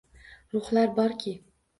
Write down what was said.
Ruhlar borki